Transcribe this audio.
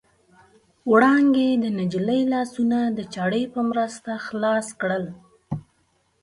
وړانګې د نجلۍ لاسونه د چاړې په مرسته خلاص کړل.